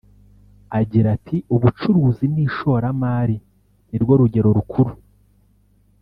Agira ati “Ubucuruzi n’Ishoramari ni rwo rugero rukuru